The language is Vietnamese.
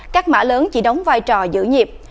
các mã lớn chỉ đóng vai trò giữ nhịp